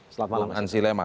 selamat malam ansi lema